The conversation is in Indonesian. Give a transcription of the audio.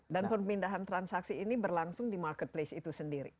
dan perpindahan transaksi ini berlangsung di marketplace itu sendiri